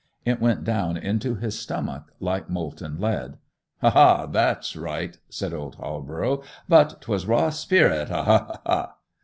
It went down into his stomach like molten lead. 'Ha, ha, that's right!' said old Halborough. 'But 'twas raw spirit—ha, ha!